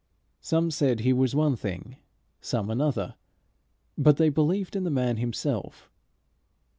Some said he was one thing, some another, but they believed in the man himself.